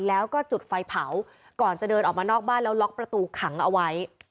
แล้วก็จุดไฟเผาก่อนจะเดินออกมานอกบ้านแล้วล็อกประตูขังเอาไว้